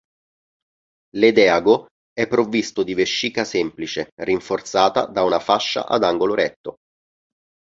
L'edeago è provvisto di vescica semplice, rinforzata da una fascia ad angolo retto.